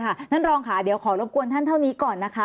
ท่านรองค่ะเดี๋ยวขอรบกวนท่านเท่านี้ก่อนนะคะ